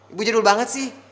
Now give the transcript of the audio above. ibu jadul banget sih